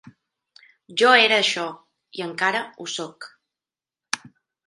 Jo era això, i encara ho sóc.